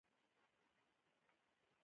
سیندونه ولې ماتیږي؟